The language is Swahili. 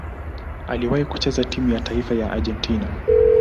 Aliwahi kucheza timu ya taifa ya Argentina.